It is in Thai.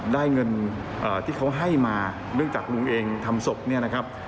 ได้เงินที่เขาให้มาเนื่องจากลุงเองทำศพเนี่ยนะครับ